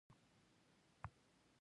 سراج الاخبار لومړنۍ ښوونیزه خپرونه وه.